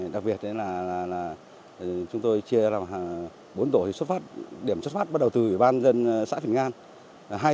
đặc biệt là chúng tôi chia ra làm bốn tổ để xuất phát điểm xuất phát bắt đầu từ ủy ban dân xã thịnh an